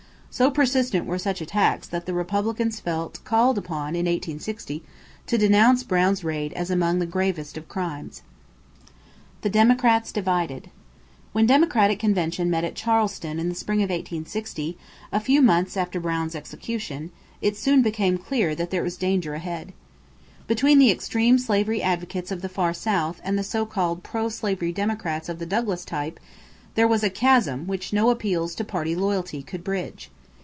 So persistent were such attacks that the Republicans felt called upon in 1860 to denounce Brown's raid "as among the gravest of crimes." =The Democrats Divided.= When the Democratic convention met at Charleston in the spring of 1860, a few months after Brown's execution, it soon became clear that there was danger ahead. Between the extreme slavery advocates of the Far South and the so called pro slavery Democrats of the Douglas type, there was a chasm which no appeals to party loyalty could bridge.